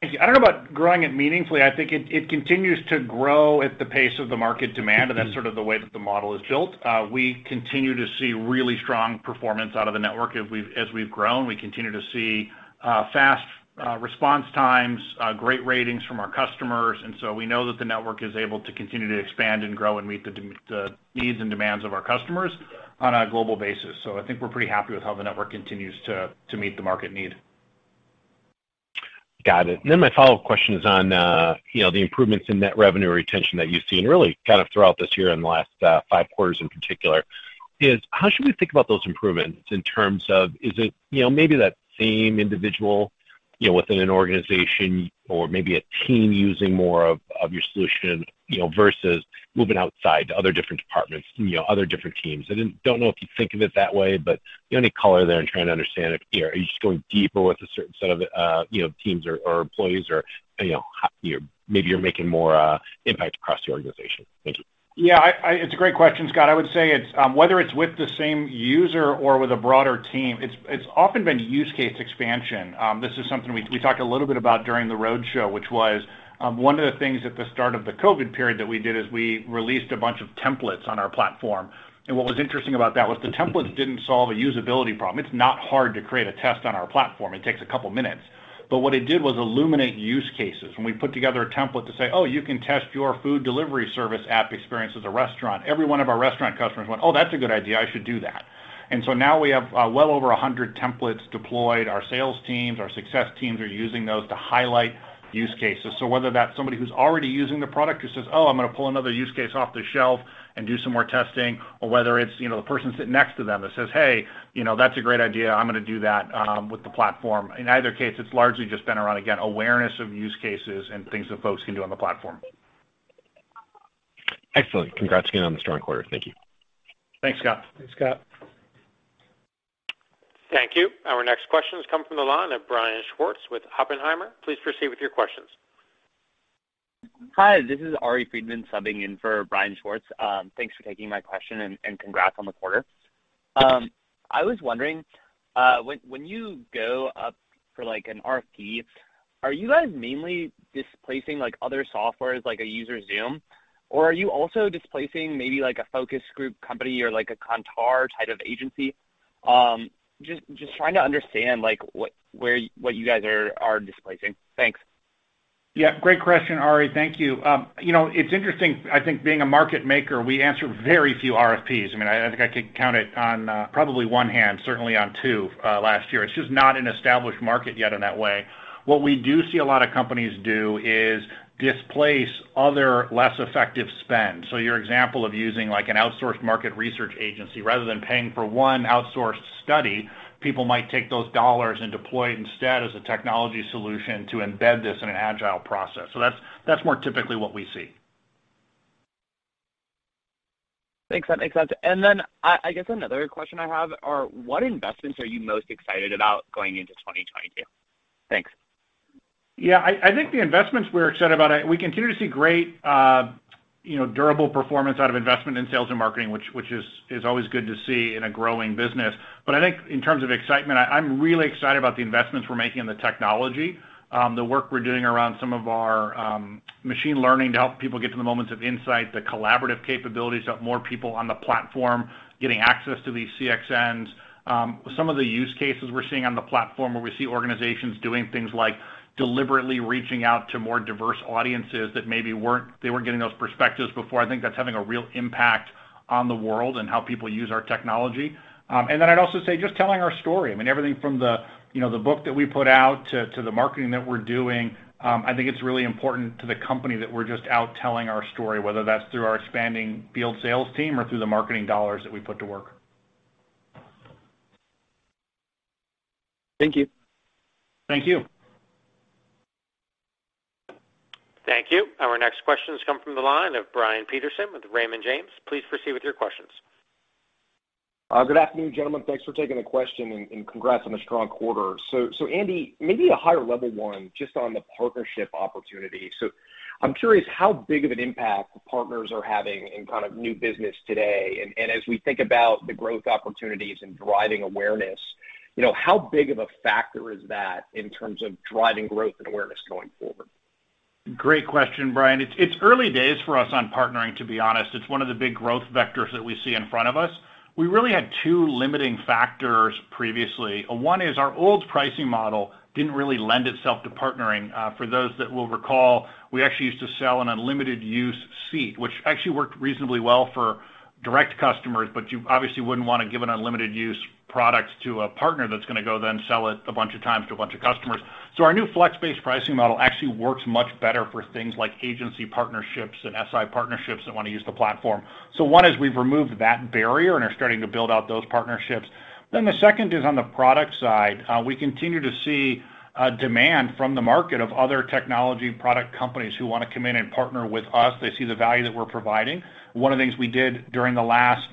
S3: Thank you. I don't know about growing it meaningfully. I think it continues to grow at the pace of the market demand, and that's sort of the way that the model is built. We continue to see really strong performance out of the network as we've grown. We continue to see fast response times, great ratings from our customers. We know that the network is able to continue to expand and grow and meet the needs and demands of our customers on a global basis. I think we're pretty happy with how the network continues to meet the market need.
S11: Got it. My follow-up question is on, you know, the improvements in net revenue retention that you've seen really kind of throughout this year and the last, five quarters in particular, is how should we think about those improvements in terms of is it, you know, maybe that same individual, you know, within an organization or maybe a team using more of your solution, you know, versus moving outside to other different departments, you know, other different teams? I don't know if you think of it that way, but any color there in trying to understand if, you know, are you just going deeper with a certain set of, you know, teams or employees or, you know, you're maybe making more impact across the organization. Thank you.
S3: Yeah, it's a great question, Scott. I would say it's whether it's with the same user or with a broader team, it's often been use case expansion. This is something we talked a little bit about during the roadshow, which was one of the things at the start of the COVID period that we did is we released a bunch of templates on our platform. What was interesting about that was the templates didn't solve a usability problem. It's not hard to create a test on our platform. It takes a couple minutes. But what it did was illuminate use cases. When we put together a template to say, "Oh, you can test your food delivery service app experience as a restaurant," every one of our restaurant customers went, "Oh, that's a good idea. I should do that." Now we have well over 100 templates deployed. Our sales teams, our success teams are using those to highlight use cases. Whether that's somebody who's already using the product who says, "Oh, I'm gonna pull another use case off the shelf and do some more testing," or whether it's, you know, the person sitting next to them that says, "Hey, you know, that's a great idea. I'm gonna do that with the platform." In either case, it's largely just been around, again, awareness of use cases and things that folks can do on the platform.
S11: Excellent. Congrats again on the strong quarter. Thank you.
S3: Thanks, Scott.
S4: Thanks, Scott.
S1: Thank you. Our next question has come from the line of Brian Schwartz with Oppenheimer. Please proceed with your questions.
S12: Hi, this is Ari Friedman subbing in for Brian Schwartz. Thanks for taking my question and congrats on the quarter. I was wondering, when you go up for like an RFP, are you guys mainly displacing like other softwares like UserZoom? Or are you also displacing maybe like a focus group company or like a Kantar type of agency? Just trying to understand like what you guys are displacing. Thanks.
S3: Yeah, great question, Ari. Thank you. You know, it's interesting, I think being a market maker, we answer very few RFPs. I mean, I think I could count it on probably one hand, certainly on two last year. It's just not an established market yet in that way. What we do see a lot of companies do is displace other less effective spend. So your example of using like an outsourced market research agency, rather than paying for one outsourced study, people might take those dollars and deploy it instead as a technology solution to embed this in an agile process. So that's more typically what we see.
S12: Thanks. That makes sense. I guess another question I have are, what investments are you most excited about going into 2022? Thanks.
S3: Yeah, I think the investments we're excited about, we continue to see great, you know, durable performance out of investment in sales and marketing, which is always good to see in a growing business. I think in terms of excitement, I'm really excited about the investments we're making in the technology, the work we're doing around some of our machine learning to help people get to the moments of insight, the collaborative capabilities of more people on the platform getting access to these CXNs. Some of the use cases we're seeing on the platform where we see organizations doing things like deliberately reaching out to more diverse audiences they weren't getting those perspectives before. I think that's having a real impact on the world and how people use our technology. I'd also say just telling our story. I mean, everything from the, you know, the book that we put out to the marketing that we're doing. I think it's really important to the company that we're just out telling our story, whether that's through our expanding field sales team or through the marketing dollars that we put to work.
S12: Thank you.
S3: Thank you.
S1: Thank you. Our next question has come from the line of Brian Peterson with Raymond James. Please proceed with your questions.
S13: Good afternoon, gentlemen. Thanks for taking the question, and congrats on the strong quarter. Andy, maybe a higher level 1 just on the partnership opportunity. I'm curious how big of an impact partners are having in kind of new business today. As we think about the growth opportunities and driving awareness, you know, how big of a factor is that in terms of driving growth and awareness going forward?
S3: Great question, Brian. It's early days for us on partnering, to be honest. It's one of the big growth vectors that we see in front of us. We really had two limiting factors previously. One is our old pricing model didn't really lend itself to partnering. For those that will recall, we actually used to sell an unlimited use seat, which actually worked reasonably well for direct customers, but you obviously wouldn't wanna give an unlimited use product to a partner that's gonna go then sell it a bunch of times to a bunch of customers. Our new flex-based pricing model actually works much better for things like agency partnerships and SI partnerships that wanna use the platform. One is we've removed that barrier and are starting to build out those partnerships. The second is on the product side. We continue to see a demand from the market of other technology product companies who wanna come in and partner with us. They see the value that we're providing. One of the things we did during the last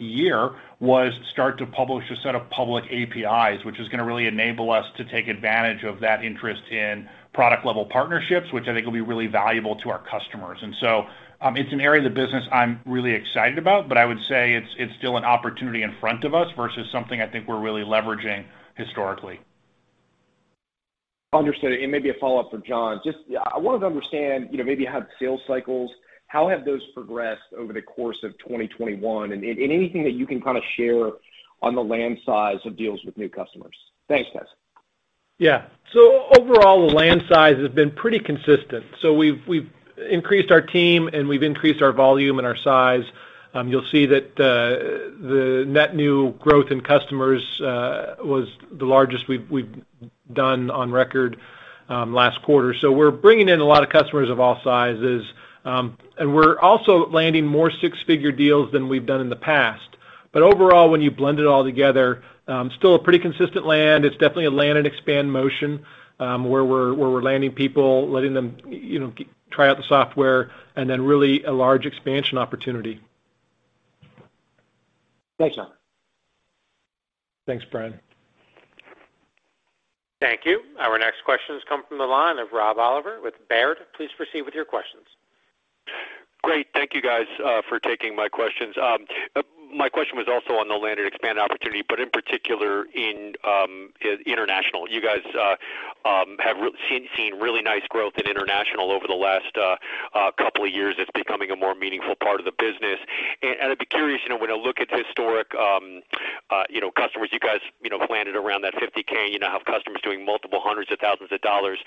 S3: year was start to publish a set of public APIs, which is gonna really enable us to take advantage of that interest in product-level partnerships, which I think will be really valuable to our customers. It's an area of the business I'm really excited about, but I would say it's still an opportunity in front of us versus something I think we're really leveraging historically.
S13: Understood. Maybe a follow-up for Jon. Just, I wanted to understand, you know, maybe you have sales cycles. How have those progressed over the course of 2021? Anything that you can kinda share on the land size of deals with new customers. Thanks, guys.
S4: Yeah. Overall, the land size has been pretty consistent. We've increased our team, and we've increased our volume and our size. You'll see that the net new growth in customers was the largest we've done on record last quarter. We're bringing in a lot of customers of all sizes, and we're also landing more six-figure deals than we've done in the past. Overall, when you blend it all together, still a pretty consistent land. It's definitely a land and expand motion where we're landing people, letting them, you know, try out the software, and then really a large expansion opportunity.
S13: Thanks, Jon.
S4: Thanks, Brian.
S1: Thank you. Our next question has come from the line of Rob Oliver with Baird. Please proceed with your questions.
S14: Great. Thank you guys for taking my questions. My question was also on the land and expand opportunity, but in particular in international. You guys have seen really nice growth in international over the last couple of years. It's becoming a more meaningful part of the business. I'd be curious, you know, when I look at historical customers, you guys landed around that $50,000. You now have customers doing multiple hundreds of thousands of dollars.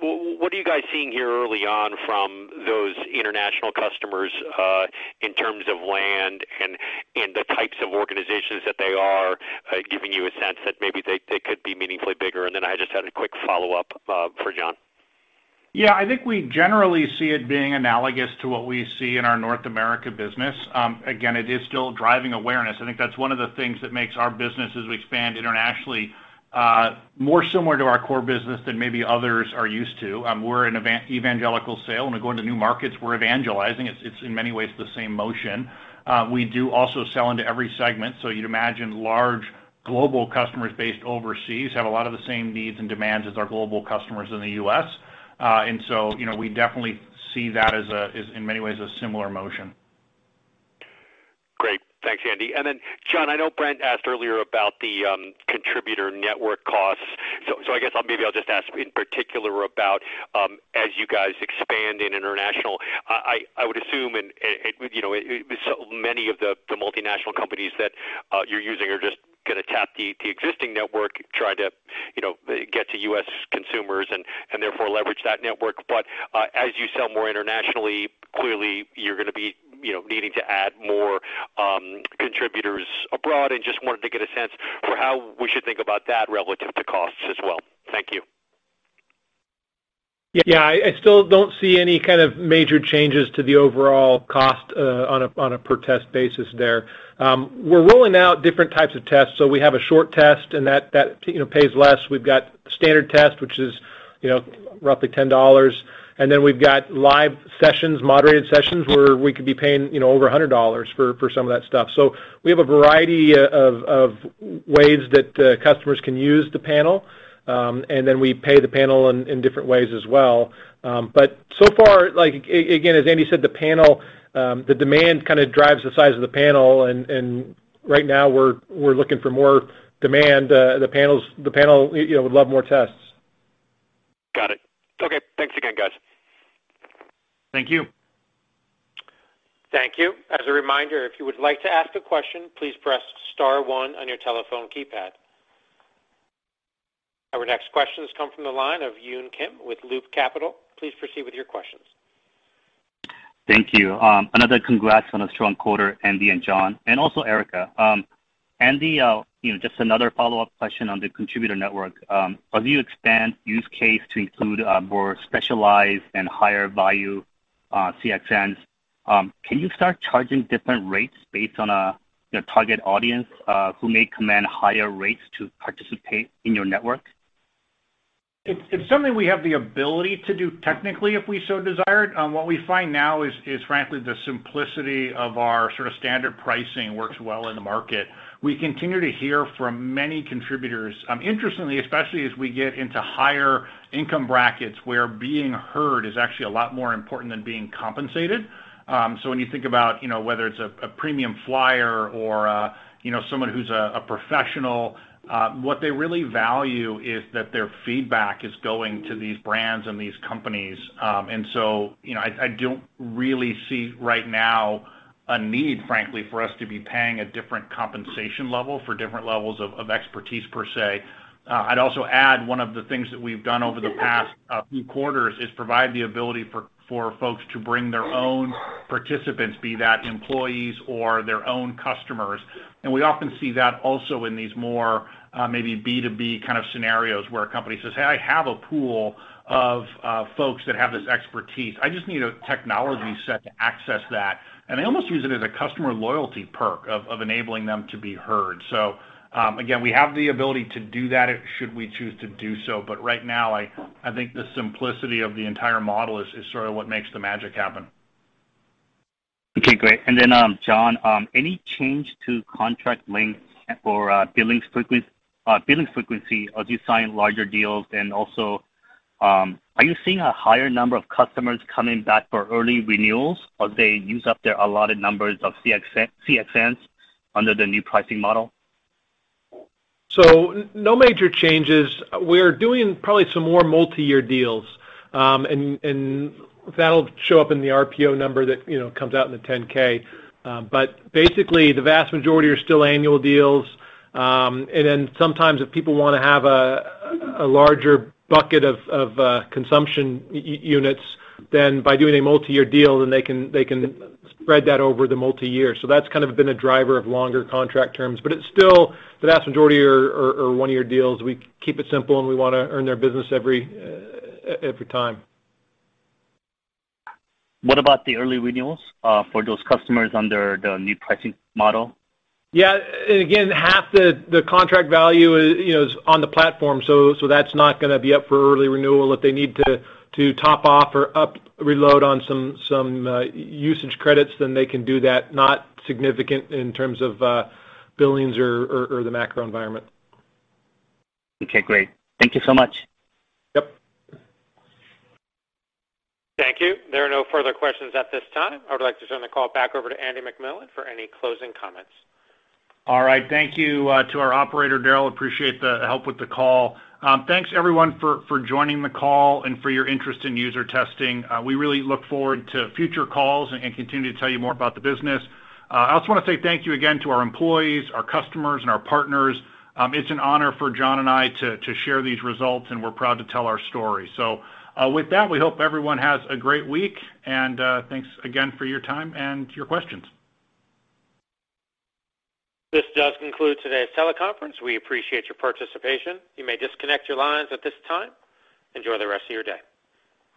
S14: What are you guys seeing here early on from those international customers in terms of land and the types of organizations that they are giving you a sense that maybe they could be meaningfully bigger? I just had a quick follow-up for Jon.
S3: Yeah. I think we generally see it being analogous to what we see in our North America business. Again, it is still driving awareness. I think that's one of the things that makes our business, as we expand internationally, more similar to our core business than maybe others are used to. We're an evangelical sale. When we go into new markets, we're evangelizing. It's in many ways the same motion. We do also sell into every segment. You'd imagine large global customers based overseas have a lot of the same needs and demands as our global customers in the U.S. You know, we definitely see that as a, as in many ways, a similar motion.
S14: Great. Thanks, Andy. Jon, I know Brent asked earlier about the contributor network costs. I guess I'll just ask in particular about as you guys expand in international. I would assume and you know so many of the multinational companies that you're using are just gonna tap the existing network, try to you know get to U.S. consumers and therefore leverage that network. as you sell more internationally, clearly you're gonna be you know needing to add more contributors abroad and just wanted to get a sense for how we should think about that relative to costs as well. Thank you.
S4: Yeah. I still don't see any kind of major changes to the overall cost, on a per test basis there. We're rolling out different types of tests. We have a short test, and that you know pays less. We've got standard test, which is you know roughly $10. Then we've got live sessions, moderated sessions, where we could be paying you know over $100 for some of that stuff. We have a variety of ways that customers can use the panel. We pay the panel in different ways as well. So far, like, again, as Andy said, the panel, the demand kinda drives the size of the panel. Right now we're looking for more demand. The panels... The panel, you know, would love more tests.
S14: Got it. Okay. Thanks again, guys.
S3: Thank you.
S1: Thank you. As a reminder, if you would like to ask a question, please press star one on your telephone keypad. Our next questions come from the line of Yun Kim with Loop Capital. Please proceed with your questions.
S15: Thank you. Another congrats on a strong quarter, Andy and Jon, and also Erica. Andy, you know, just another follow-up question on the contributor network. As you expand use case to include a more specialized and higher value CXNs, can you start charging different rates based on your target audience who may command higher rates to participate in your network?
S3: It's something we have the ability to do technically, if we so desired. What we find now is frankly the simplicity of our sort of standard pricing works well in the market. We continue to hear from many contributors, interestingly, especially as we get into higher income brackets, where being heard is actually a lot more important than being compensated. When you think about, you know, whether it's a premium flyer or, you know, someone who's a professional, what they really value is that their feedback is going to these brands and these companies. I don't really see right now a need, frankly, for us to be paying a different compensation level for different levels of expertise per se. I'd also add one of the things that we've done over the past few quarters is provide the ability for folks to bring their own participants, be that employees or their own customers. We often see that also in these more maybe B2B kind of scenarios where a company says, "Hey, I have a pool of folks that have this expertise. I just need a technology set to access that." They almost use it as a customer loyalty perk of enabling them to be heard. Again, we have the ability to do that if we should choose to do so, but right now, I think the simplicity of the entire model is sort of what makes the magic happen.
S15: Okay, great. Jon, any change to contract length or billing frequency as you sign larger deals? Are you seeing a higher number of customers coming back for early renewals as they use up their allotted numbers of CXNs under the new pricing model?
S4: No major changes. We're doing probably some more multi-year deals, and that'll show up in the RPO number that, you know, comes out in the 10-K. Basically, the vast majority are still annual deals. Sometimes if people wanna have a larger bucket of consumption units, then by doing a multi-year deal, they can spread that over the multi-year. That's kind of been a driver of longer contract terms. It's still the vast majority are one-year deals. We keep it simple, and we wanna earn their business every time.
S15: What about the early renewals, for those customers under the new pricing model?
S4: Yeah. Again, half the contract value you know, is on the platform. That's not gonna be up for early renewal. If they need to top off or reload on some usage credits, then they can do that, not significant in terms of billings or the macro environment.
S15: Okay, great. Thank you so much.
S4: Yep.
S1: Thank you. There are no further questions at this time. I would like to turn the call back over to Andy MacMillan for any closing comments.
S3: All right. Thank you to our operator, Daryl. Appreciate the help with the call. Thanks everyone for joining the call and for your interest in UserTesting. We really look forward to future calls and continue to tell you more about the business. I also wanna say thank you again to our employees, our customers, and our partners. It's an honor for Jon and I to share these results, and we're proud to tell our story. With that, we hope everyone has a great week, and thanks again for your time and your questions.
S1: This does conclude today's teleconference. We appreciate your participation. You may disconnect your lines at this time. Enjoy the rest of your day.